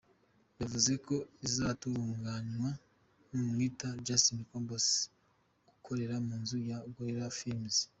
Yavuze ko izatunganywa n’uwitwa Justin Campos ukorera mu nzu ya Gorilla Films.